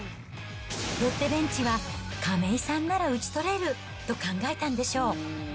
ロッテベンチは、亀井さんなら打ち取れると考えたんでしょう。